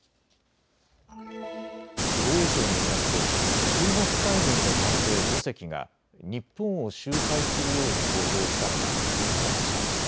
防衛省によりますと中国海軍の艦艇５隻が日本を周回するように航行したのが確認されました。